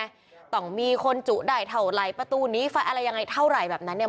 เนี่ยผมต้องอยากยอมมีคนจุได้เท่าไรประตูนี้อะไรยังไงเท่าไหร่แบบนั้นเนี่ย